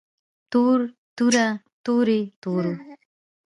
تور توره تورې تورو